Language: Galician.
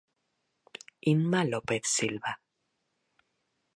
Inma López Silva.